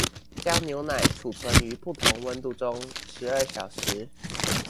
將牛奶貯存於不同溫度中十二小時